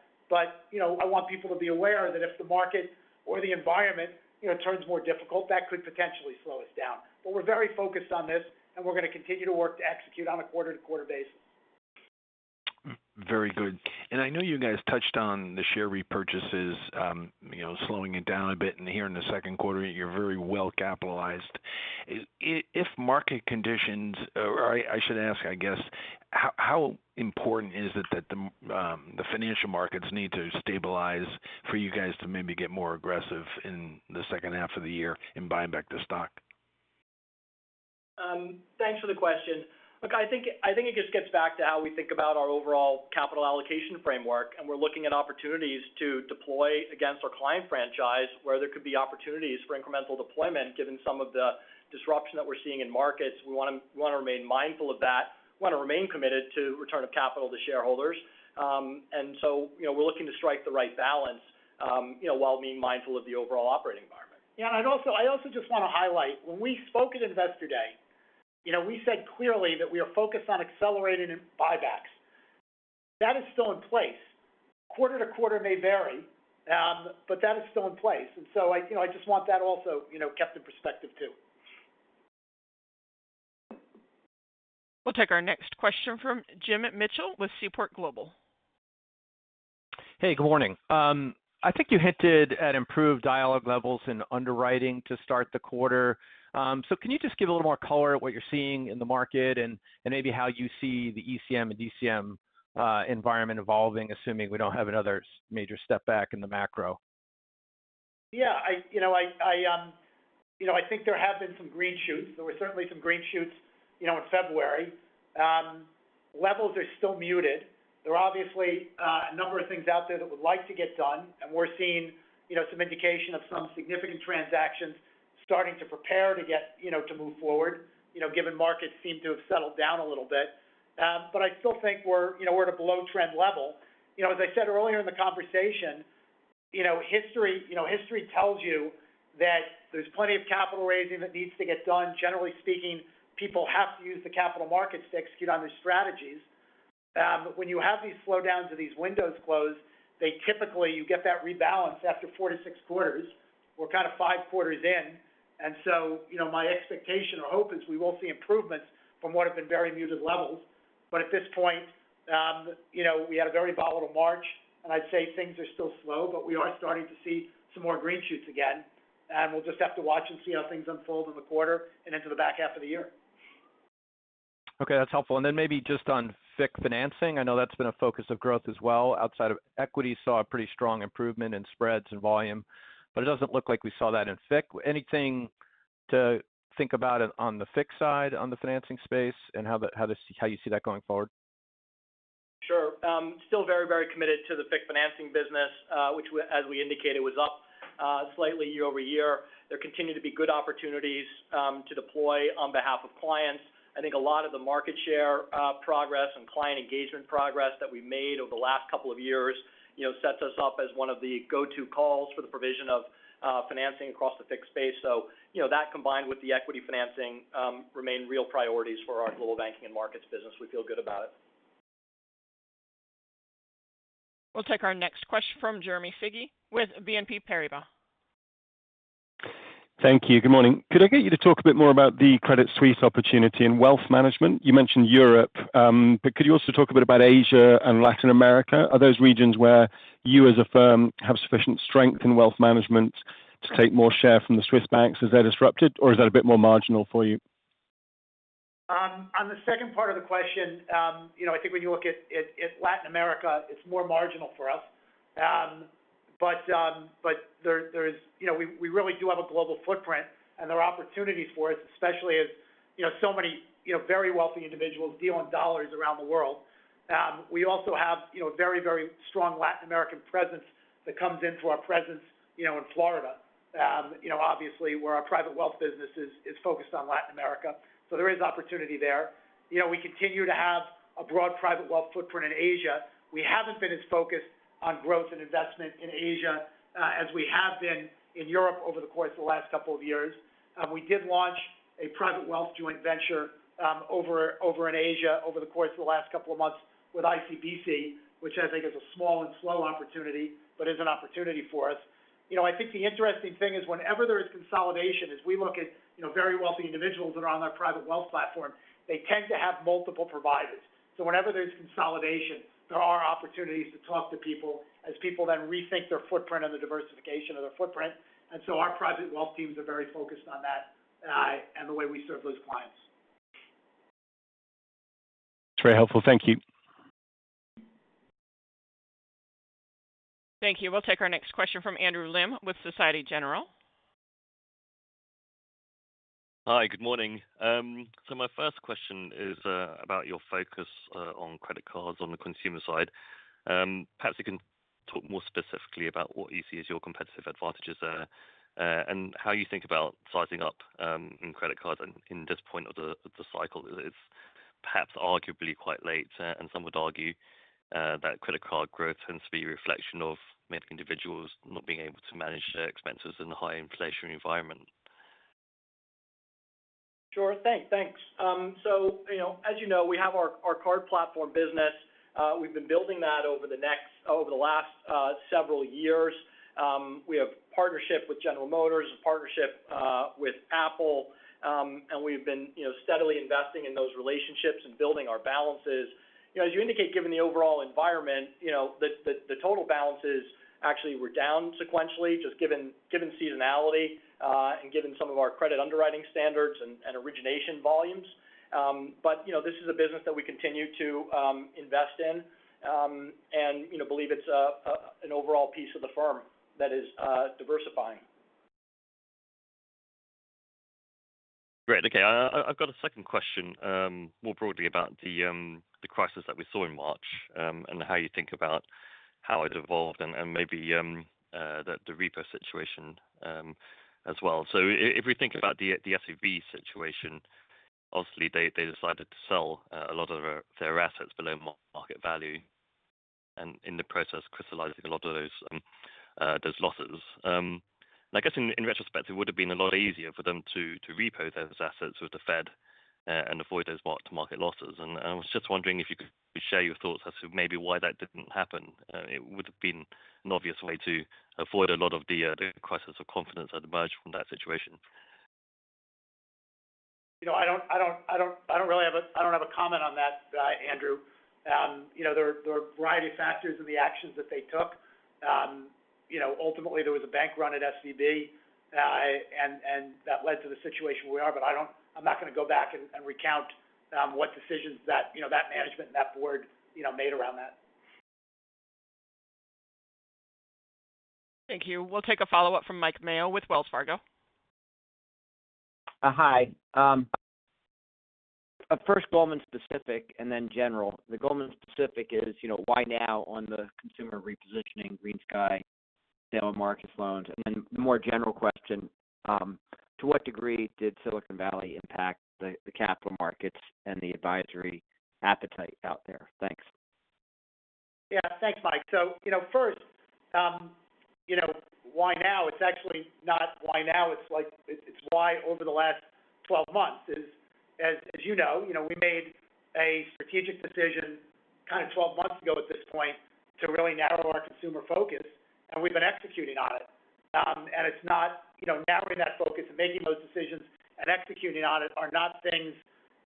S3: You know, I want people to be aware that if the market or the environment, you know, turns more difficult, that could potentially slow us down. We're very focused on this, and we're gonna continue to work to execute on a quarter-to-quarter basis.
S14: Very good. I know you guys touched on the share repurchases, you know, slowing it down a bit. Here in the second quarter, you're very well capitalized. If market conditions or I should ask, I guess, how important is it that the financial markets need to stabilize for you guys to maybe get more aggressive in the second half of the year in buying back the stock?
S3: Thanks for the question. Look, I think it just gets back to how we think about our overall capital allocation framework. We're looking at opportunities to deploy against our client franchise where there could be opportunities for incremental deployment given some of the disruption that we're seeing in markets. We wanna remain mindful of that. We wanna remain committed to return of capital to shareholders. So, you know, we're looking to strike the right balance, you know, while being mindful of the overall operating environment. Yeah. I also just wanna highlight, when we spoke at Investor Day, you know, we said clearly that we are focused on accelerating in buybacks. That is still in place. Quarter to quarter may vary, but that is still in place. I, you know, I just want that also, you know, kept in perspective too.
S1: We'll take our next question from Jim Mitchell with Seaport Global.
S15: Hey, good morning. I think you hinted at improved dialogue levels in underwriting to start the quarter. Can you just give a little more color at what you're seeing in the market and maybe how you see the ECM and DCM environment evolving, assuming we don't have another major step back in the macro?
S3: Yeah. I, you know, I, you know, I think there have been some green shoots. There were certainly some green shoots, you know, in February. Levels are still muted. There are obviously a number of things out there that would like to get done, and we're seeing, you know, some indication of some significant transactions starting to prepare to get, you know, to move forward, you know, given markets seem to have settled down a little bit. I still think we're, you know, we're at a below-trend level. You know, as I said earlier in the conversation, you know, history, you know, history tells you that there's plenty of capital raising that needs to get done. Generally speaking, people have to use the capital markets to execute on their strategies. When you have these slowdowns or these windows closed, they typically you get that rebalance after four to six quarters. We're kind of five quarters in. You know, my expectation or hope is we will see improvements from what have been very muted levels. At this point, you know, we had a very volatile March. I'd say things are still slow, but we are starting to see some more green shoots again. We'll just have to watch and see how things unfold in the quarter and into the back half of the year.
S15: Okay, that's helpful. Maybe just on FICC financing. I know that's been a focus of growth as well. Outside of equity, saw a pretty strong improvement in spreads and volume, it doesn't look like we saw that in FICC. Anything to think about it on the FICC side, on the financing space and how you see that going forward?
S4: Sure. Still very, very committed to the FICC financing business, which as we indicated, was up slightly year-over-year. There continue to be good opportunities to deploy on behalf of clients. I think a lot of the market share progress and client engagement progress that we made over the last couple of years, you know, sets us up as one of the go-to calls for the provision of financing across the FICC space. You know, that combined with the equity financing, remain real priorities for our Global Banking and Markets business. We feel good about it.
S1: We'll take our next question from Jeremy Sigee with BNP Paribas.
S16: Thank you. Good morning. Could I get you to talk a bit more about the credit suite opportunity in wealth management? You mentioned Europe, but could you also talk a bit about Asia and Latin America? Are those regions where you as a firm have sufficient strength in wealth management to take more share from the Swiss banks as they're disrupted? Or is that a bit more marginal for you?
S3: On the second part of the question, you know, I think when you look at Latin America, it's more marginal for us. But there, you know, we really do have a global footprint, and there are opportunities for us, especially as, you know, so many, you know, very wealthy individuals deal in dollars around the world. We also have, you know, a very, very strong Latin American presence that comes into our presence, you know, in Florida. You know, obviously where our private wealth business is focused on Latin America. There is opportunity there. You know, we continue to have a broad private wealth footprint in Asia. We haven't been as focused on growth and investment in Asia, as we have been in Europe over the course of the last couple of years. We did launch a private wealth joint venture in Asia over the course of the last couple of months with ICBC, which I think is a small and slow opportunity, but is an opportunity for us. You know, I think the interesting thing is whenever there is consolidation, as we look at, you know, very wealthy individuals that are on our private wealth platform, they tend to have multiple providers. Whenever there's consolidation, there are opportunities to talk to people as people then rethink their footprint and the diversification of their footprint. Our private wealth teams are very focused on that and the way we serve those clients.
S16: It's very helpful. Thank you.
S1: Thank you. We'll take our next question from Andrew Lim with Societe Generale.
S17: Hi. Good morning. My first question is about your focus on credit cards on the consumer side. Perhaps you can talk more specifically about what you see as your competitive advantages there, and how you think about sizing up in credit cards in this point of the cycle is perhaps arguably quite late, and some would argue that credit card growth tends to be a reflection of many individuals not being able to manage their expenses in a high inflationary environment.
S3: Sure. Thanks, thanks. You know, as you know, we have our card platform business. We've been building that over the last several years. We have partnership with General Motors, a partnership with Apple, and we've been, you know, steadily investing in those relationships and building our balances. You know, as you indicate, given the overall environment, you know, the total balances actually were down sequentially, just given seasonality, and given some of our credit underwriting standards and origination volumes. You know, this is a business that we continue to invest in, and, you know, believe it's an overall piece of the firm that is diversifying.
S17: Great. Okay. I've got a second question, more broadly about the crisis that we saw in March, and how you think about how it evolved and maybe the repo situation as well. If we think about the SVB situation, obviously they decided to sell a lot of their assets below market value, and in the process, crystallizing a lot of those losses. I guess in retrospect, it would have been a lot easier for them to repo those assets with the Fed and avoid those mark-to-market losses. I was just wondering if you could share your thoughts as to maybe why that didn't happen? It would have been an obvious way to avoid a lot of the crisis of confidence that emerged from that situation.
S3: You know, I don't really have a comment on that, Andrew. You know, there are a variety of factors in the actions that they took. You know, ultimately, there was a bank run at SVB, and that led to the situation we are. I'm not gonna go back and recount what decisions that management and that board, you know, made around that.
S1: Thank you. We'll take a follow-up from Mike Mayo with Wells Fargo.
S10: Hi. First Goldman specific and then general. The Goldman specific is, you know, why now on the consumer repositioning GreenSky, sale of Marcus loans? The more general question, to what degree did Silicon Valley impact the capital markets and the advisory appetite out there? Thanks.
S3: Yeah. Thanks, Mike. You know, first, you know, why now? It's actually not why now, it's why over the last 12 months is, as you know, you know, we made a strategic decision kind of 12 months ago at this point to really narrow our consumer focus, and we've been executing on it. It's not, you know, narrowing that focus and making those decisions and executing on it are not things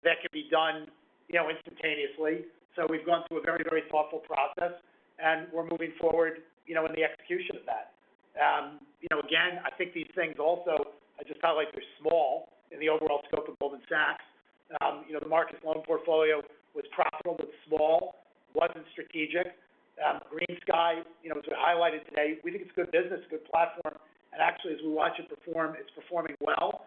S3: that can be done, you know, instantaneously. We've gone through a very, very thoughtful process, and we're moving forward, you know, in the execution of that. You know, again, I think these things also, I just felt like they're small in the overall scope of Goldman Sachs. You know, the Marcus Loan portfolio was profitable but small, wasn't strategic. GreenSky, you know, as we highlighted today, we think it's good business, good platform. Actually, as we watch it perform, it's performing well.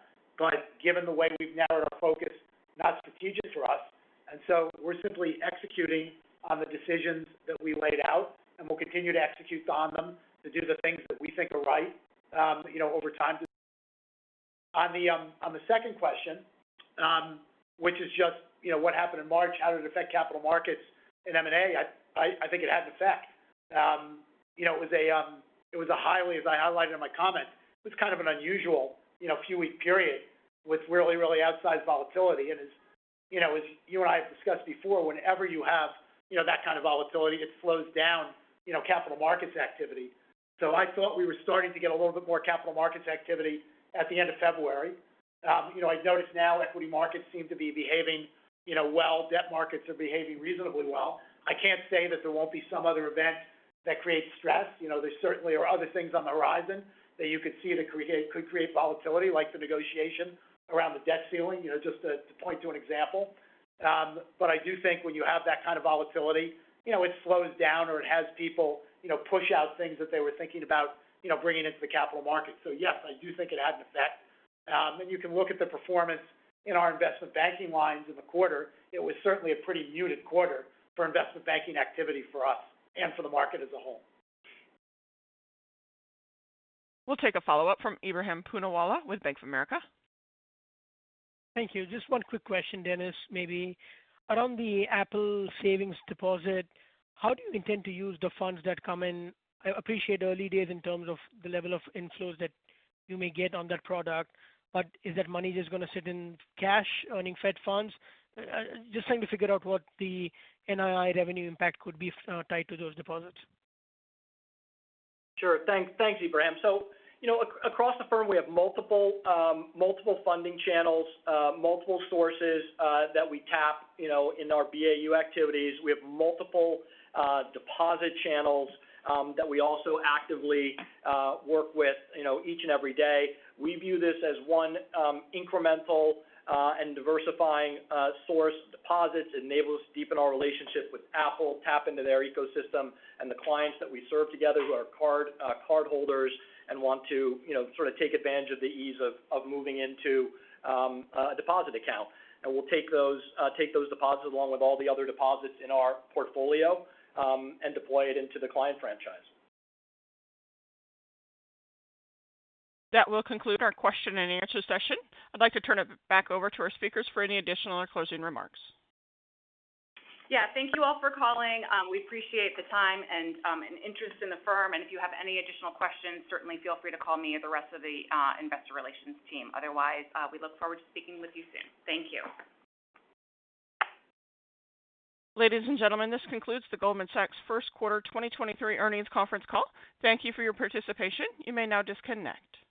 S3: Given the way we've narrowed our focus, not strategic for us. We're simply executing on the decisions that we laid out, and we'll continue to execute on them to do the things that we think are right, you know, over time. On the, on the second question, which is just, you know, what happened in March, how did it affect capital markets in M&A? I think it had an effect. You know, it was a, it was a highly, as I highlighted in my comment, it was kind of an unusual, you know, few week period with outsized volatility. As you know, as you and I have discussed before, whenever you have, you know, that kind of volatility, it slows down, you know, capital markets activity. I thought we were starting to get a little bit more capital markets activity at the end of February. You know, I noticed now equity markets seem to be behaving, you know, well, debt markets are behaving reasonably well. I can't say that there won't be some other event that creates stress. You know, there certainly are other things on the horizon that you could see that could create volatility, like the negotiation around the debt ceiling, you know, just to point to an example. I do think when you have that kind of volatility, you know, it slows down or it has people, you know, push out things that they were thinking about, you know, bringing into the capital markets. Yes, I do think it had an effect. You can look at the performance in our investment banking lines in the quarter. It was certainly a pretty muted quarter for investment banking activity for us and for the market as a whole.
S1: We'll take a follow-up from Ebrahim Poonawala with Bank of America.
S6: Thank you. Just one quick question, Dennis. Maybe around the Apple savings deposit, how do you intend to use the funds that come in? I appreciate early days in terms of the level of inflows that you may get on that product, but is that money just gonna sit in cash earning Fed funds? Just trying to figure out what the NII revenue impact could be tied to those deposits.
S4: Sure. Thanks. Thanks, Ebrahim. You know, across the firm, we have multiple funding channels, multiple sources, that we tap, you know, in our BAU activities. We have multiple deposit channels, that we also actively work with, you know, each and every day. We view this as one incremental and diversifying source deposits. Enables us to deepen our relationship with Apple, tap into their ecosystem, and the clients that we serve together who are card, cardholders and want to, you know, sort of take advantage of the ease of moving into a deposit account. We'll take those deposits along with all the other deposits in our portfolio, and deploy it into the client franchise.
S1: That will conclude our question and answer session. I'd like to turn it back over to our speakers for any additional or closing remarks.
S2: Yeah. Thank you all for calling. We appreciate the time and interest in the firm. If you have any additional questions, certainly feel free to call me or the rest of the investor relations team. Otherwise, we look forward to speaking with you soon. Thank you.
S1: Ladies and gentlemen, this concludes the Goldman Sachs first quarter 2023 earnings conference call. Thank you for your participation. You may now disconnect.